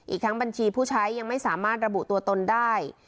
อีกทั้งบัญชีผู้ใช้ยังไม่สามารถระบุตัวตนได้